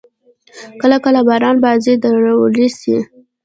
کله – کله باران بازي درولای سي.